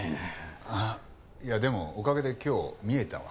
いやでもおかげで今日見えたわ。